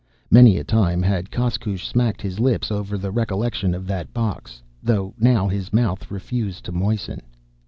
Many a time had Koskoosh smacked his lips over the recollection of that box, though now his mouth refused to moisten.